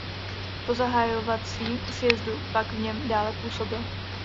Po zahajovacím sjezdu pak v něm dále působil.